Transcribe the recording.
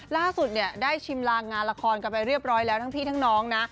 ล่าสุดเนี่ยได้ชิมลางงานละครกันไปเรียบร้อยแล้วทั้งพี่ทั้งน้องนะ